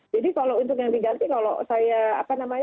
jadi kalau untuk yang diganti kalau saya apa namanya